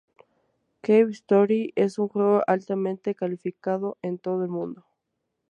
Cave Story es un juego altamente calificado en todo el mundo.